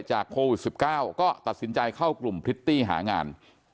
โควิด๑๙ก็ตัดสินใจเข้ากลุ่มพริตตี้หางาน